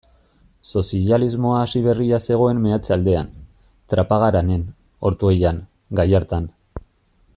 Sozialismoa hasi berria zegoen meatze-aldean, Trapagaranen, Ortuellan, Gallartan.